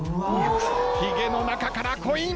ヒゲの中からコイン。